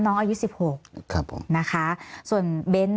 มีความรู้สึกว่าเสียใจ